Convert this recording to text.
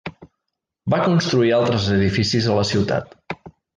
Va construir altres edificis a la ciutat.